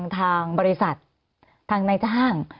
ทางบริษัททางระยะช่าง